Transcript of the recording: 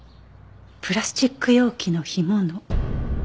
プラスチック容器の干物。